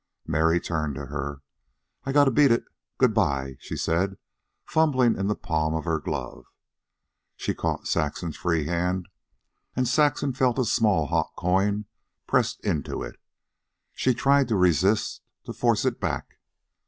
Mary turned to her. "I got to beat it; good bye," she said, fumbling in the palm of her glove. She caught Saxon's free hand, and Saxon felt a small hot coin pressed into it. She tried to resist, to force it back.